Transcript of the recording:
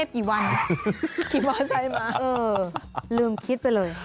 คิดว่าใส่มาเออลืมคิดไปเลย